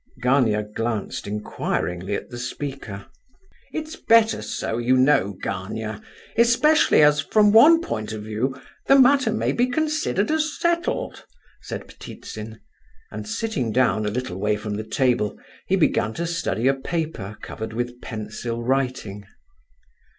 Gania glanced inquiringly at the speaker. "It's better so, you know, Gania—especially as, from one point of view, the matter may be considered as settled," said Ptitsin; and sitting down a little way from the table he began to study a paper covered with pencil writing.